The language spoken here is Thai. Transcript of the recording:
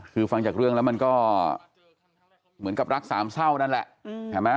คือฟังจากเรื่องแล้วมันก็เหมือนกับรักสามเศร้านั่นแหละเห็นไหม